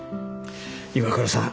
岩倉さん